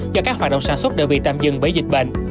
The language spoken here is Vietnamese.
cho các hoạt động sản xuất đều bị tạm dừng bởi dịch bệnh